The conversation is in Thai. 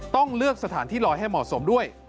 ต้องเลือกสถานที่ลอยให้เหมาะสมด้วย